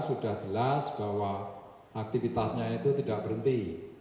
sudah jelas bahwa aktivitasnya itu tidak berhenti